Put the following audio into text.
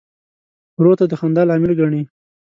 ورور ته د خندا لامل ګڼې.